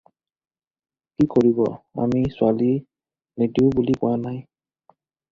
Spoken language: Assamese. কি কৰিব! আমি ছোৱালী নিদিওঁ বুলি কোৱা নাই।